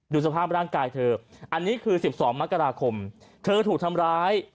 สภาพร่างกายเธออันนี้คือ๑๒มกราคมเธอถูกทำร้าย